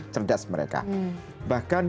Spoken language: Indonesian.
cerdas mereka bahkan